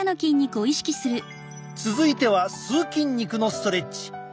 続いては吸う筋肉のストレッチ。